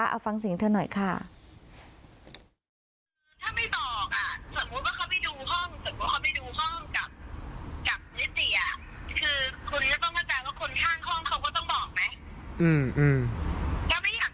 เอาฟังสินให้เธอหน่อยค่ะ